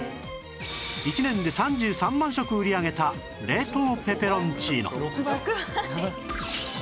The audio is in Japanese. １年で３３万食売り上げた冷凍ペペロンチーノ